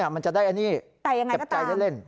มันจะได้อันนี้เก็บใจเล่นแต่ยังไงก็ตาม